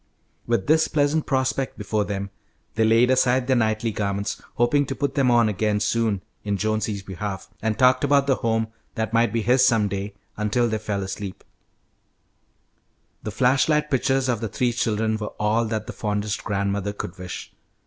With this pleasant prospect before them, they laid aside their knightly garments, hoping to put them on again soon in Jonesy's behalf, and talked about the home that might be his some day, until they fell asleep. The flash light pictures of the three children were all that the fondest grandmother could wish.